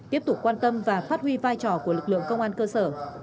tiếp tục quan tâm và phát huy vai trò của lực lượng công an cơ sở